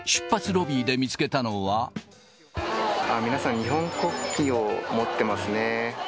皆さん、日本国旗を持ってますね。